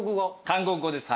韓国語です。